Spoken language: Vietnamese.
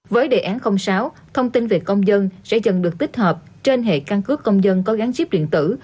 với đề án sáu thông tin về công dân sẽ dần được tích hợp trên hệ căn cứ công dân có gắn chip điện tử